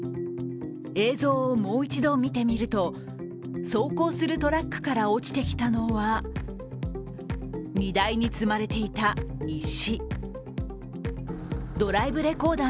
映像をもう一度見てみると走行するトラックから落ちてきたのは荷台に積まれていた石。